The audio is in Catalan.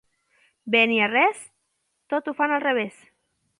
Beniarrés, tot ho fan al revés.